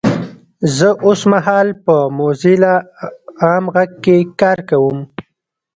زه اوسمهال په موځیلا عام غږ کې کار کوم 😊!